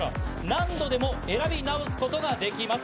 何度でも選び直すことができます。